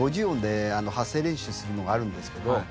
５０音で発声練習するのがあるんですけど。